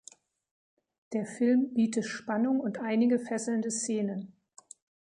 Der Film biete Spannung und einige fesselnde Szenen.